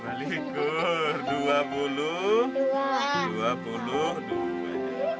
balikur dua buluh dua buluh dua buluh